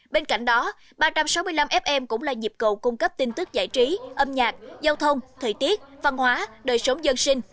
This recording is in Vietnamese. bên cạnh đó ba trăm sáu mươi năm fm cũng là dịp cầu cung cấp tin tức giải trí âm nhạc giao thông thời tiết văn hóa đời sống dân sinh